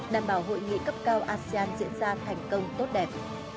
đảm bảo hội nghị cấp cao asean diễn ra thành công tốt đẹp